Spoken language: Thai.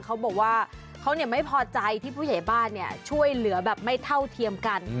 เขาบอกว่าเขาไม่พอใจที่ผู้ใหญ่บ้านช่วยเหลือแบบไม่เท่าเทียมกัน